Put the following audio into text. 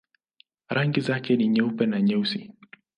Rangi zake ni nyeupe na nyeusi.